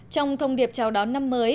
trong thông điệp chào đón năm mới